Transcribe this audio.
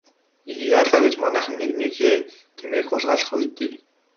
Яалаа гэж манайхан нэгнийхээ тэмээг хулгайлах вэ дээ.